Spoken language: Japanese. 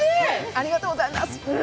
ありがとうございます。